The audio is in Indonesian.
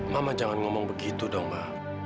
mama jangan ngomong begitu dong mbak